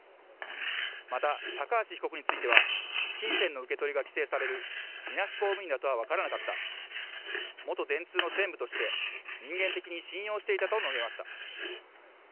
また高橋被告については金銭の受け取りが規制されるみなし公務員だとは思わなかった元電通の専務として人間的に信用していたと述べました。